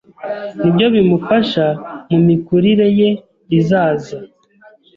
nibyo bimufasha mu mikurire ye izaza.